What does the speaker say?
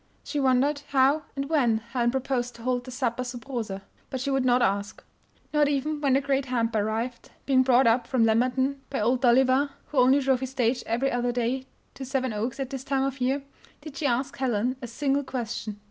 She wondered how and when Helen proposed to hold the "supper sub rosa"; but she would not ask. Not even when the great hamper arrived (being brought up from Lumberton by Old Dolliver, who only drove his stage every other day to Seven Oaks at this time of year) did she ask Helen a single question.